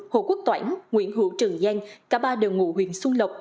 hồ quốc toản nguyễn hữu trường giang cả ba đều ngụ huyện xuân lộc